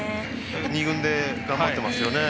２軍で頑張ってますよね。